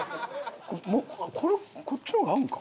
これこっちの方が合うんか？